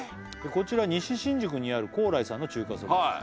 こちら「西新宿にある光来さんの中華そばです」